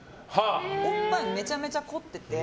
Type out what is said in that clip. おっぱいもめちゃめちゃ凝ってて。